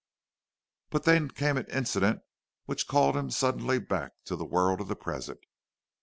But then came an incident which called him suddenly back to the world of the present.